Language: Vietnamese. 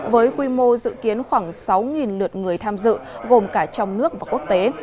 với quy mô dự kiến khoảng sáu lượt người tham dự gồm cả trong nước và quốc tế